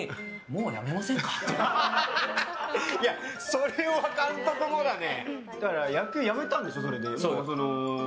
それは監督もだね。